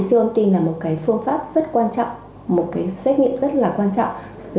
siêu âm tim là một phương pháp rất quan trọng một xét nghiệm rất quan trọng